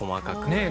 ねえ。